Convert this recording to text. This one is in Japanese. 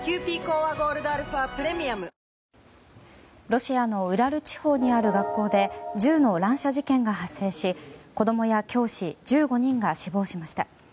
ロシアのウラル地方にある学校で銃の乱射事件が発生し子供や教師１５人が死亡しました。